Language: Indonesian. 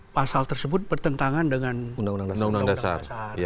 pasal tersebut bertentangan dengan undang undang dasar